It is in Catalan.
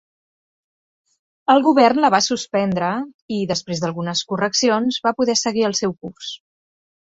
El Govern la va suspendre i, després d'algunes correccions, va poder seguir el seu curs.